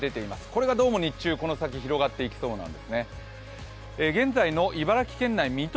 これがどうも日中、この先広がっていきそうなんですね。